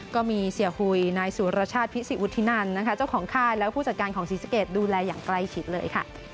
ก็มีเสียหุยนายสุรชาติพิสิวุฒินันนะคะเจ้าของค่ายและผู้จัดการของศรีสะเกดดูแลอย่างใกล้ชิดเลยค่ะ